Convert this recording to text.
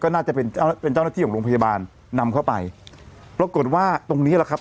น่าจะเป็นเจ้าหน้าที่ของโรงพยาบาลนำเข้าไปปรากฏว่าตรงนี้แหละครับ